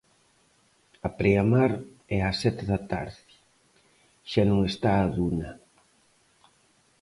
A preamar é ás sete da tarde, xa non está a duna...